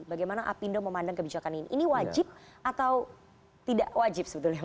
bagaimana apindo memandang kebijakan ini ini wajib atau tidak wajib sebetulnya